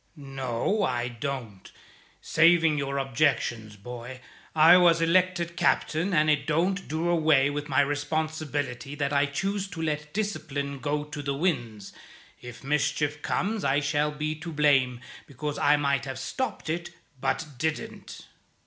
"No, I don't. Saving your objections, boy, I was elected captain, and it don't do away with my responsibility that I choose to let discipline go to the winds. If mischief comes I shall be to blame, because I might have stopped it but didn't."